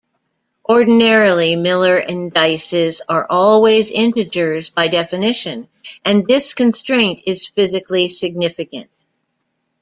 Ordinarily, Miller indices are always integers by definition, and this constraint is physically significant.